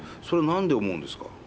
それは何で思うんですか？